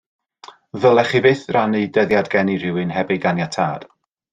Ddylech chi fyth rannu dyddiad geni rhywun heb ei ganiatâd